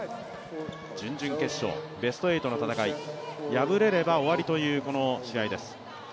準々決勝、ベスト８の戦い、敗れれば終わりという、この試合です。